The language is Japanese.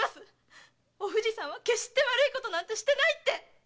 お藤さんは決して悪いことなんてしてないって！